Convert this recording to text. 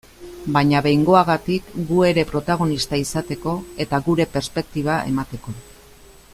Baina behingoagatik gu ere protagonista izateko, eta gure perspektiba emateko.